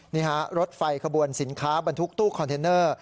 นี่ฮะรถไฟขบวนสินค้าบรรทุกตู้คอนเทนเนอร์